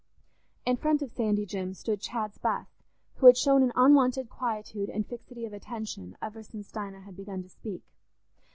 In front of Sandy Jim stood Chad's Bess, who had shown an unwonted quietude and fixity of attention ever since Dinah had begun to speak.